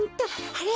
あれ？